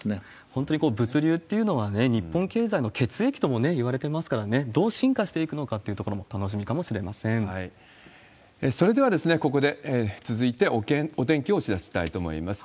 本当に物流っていうのはね、日本経済の血液ともいわれてますからね、どう進化していくのかというところも楽しみかもしれませそれでは、ここで、続いて、お天気をお知らせしたいと思います。